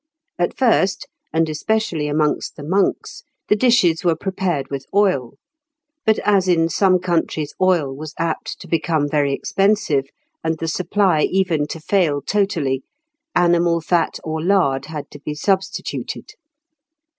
At first, and especially amongst the monks, the dishes were prepared with oil; but as in some countries oil was apt to become very expensive, and the supply even to fail totally, animal fat or lard had to be substituted.